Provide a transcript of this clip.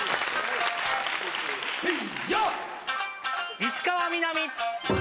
石川みなみ。